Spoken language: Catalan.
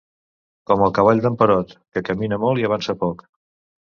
Com el cavall d'en Perot, que camina molt i avança poc.